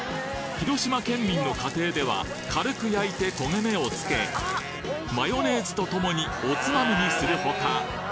広島県民の家庭では軽く焼いて焦げ目を付けマヨネーズとともにおつまみにする他